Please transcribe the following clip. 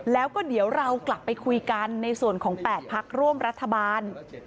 แล้วก็เดี๋ยวเรากลับไปคุยกันในส่วนของ๘พักร่วมรัฐบาล